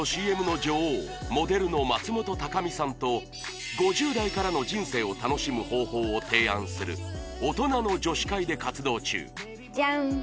ＣＭの女王モデルの松本孝美さんと５０代からの人生を楽しむ方法を提案する大人の女史会で活動中ジャン！